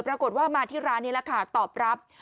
ปรากฏว่ามาที่ร้านนี้แหละค่ะตอบรับ